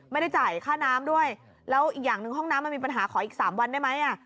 ไม่ได้จ่ายค่าน้ำด้วยแล้วอีกอย่างหนึ่งห้องน้ำมันมีปัญหาขออีก๓วันได้ไหม